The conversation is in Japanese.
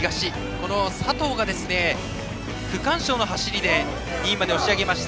この佐藤が区間賞の走りで２位まで押し上げました。